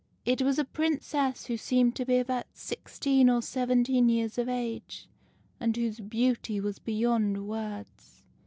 It was a Princess who seemed to be about sixteen or seventeen years of age, and whose beauty was beyond words.